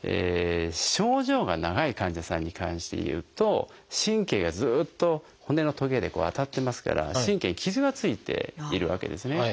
症状が長い患者さんに関して言うと神経がずっと骨のトゲで当たってますから神経に傷がついているわけですね。